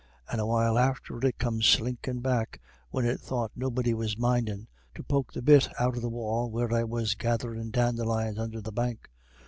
And a while after it come slinkin' back, when it thought nobody was mindin', to poke the bit out of the wall where I was gatherin' dandelions under the bank.